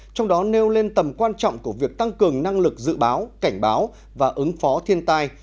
trong đó nêu lên tầm quan trọng của việc tăng cường năng lực dự báo cảnh báo và ứng phó thiên tai